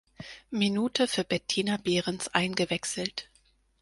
Minute für Bettina Berens eingewechselt.